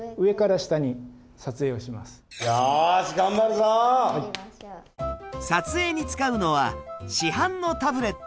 撮影に使うのは市販のタブレット。